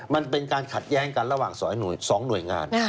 มันเป็นการขัดแย้งกันระหว่าง๒หน่วยงาน